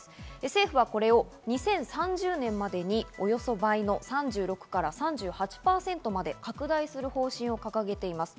政府はこれを２０３０年までにおよそ倍の３６から３８％まで拡大する方針を掲げています。